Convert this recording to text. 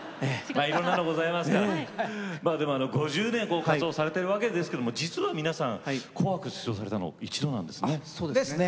５０年ご活動されてるわけですけども実は皆さん「紅白」出場されたの１度なんですね。ですね。